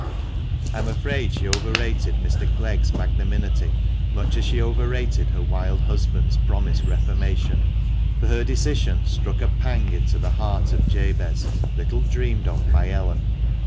I am afraid she overrated Mr. Clegg's magnanimity much as she overrated her wild husband's promised reformation, for her decision struck a pang into the heart of Jabez, little dreamed of by Ellen.